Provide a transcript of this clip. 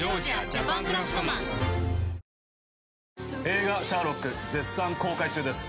映画『シャーロック』絶賛公開中です。